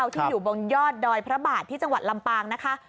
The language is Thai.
ที่อยู่บนยอดดอยพระบาทที่จังหวัดลำปางนะคะ